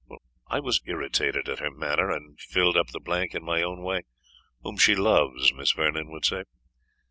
I was irritated at her manner, and filled up the blank in my own way "Whom she loves, Miss Vernon would say."